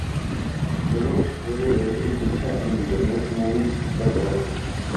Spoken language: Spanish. Se puede leer su ficha en Internet Movie Database.